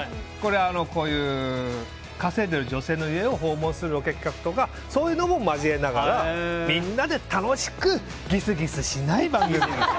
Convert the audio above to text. これ、こういう稼いでる女性の家を訪問するロケ企画とかそういうのも交えながらみんなで楽しくギスギスしない番組。